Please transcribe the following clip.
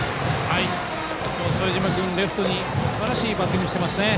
副島君、レフトにすばらしいバッティングしてます。